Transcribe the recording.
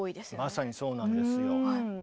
まさにそうなんですよ。